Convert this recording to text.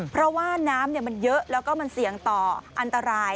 เพราะว่าน้ำมันเยอะแล้วก็มันเสี่ยงต่ออันตราย